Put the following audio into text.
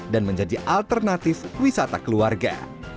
dan menjadi alternatif wisata keluarga